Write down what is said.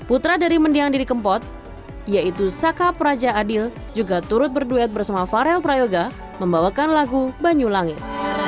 putra dari mendiang diri kempot yaitu saka praja adil juga turut berduet bersama farel prayoga membawakan lagu banyu langit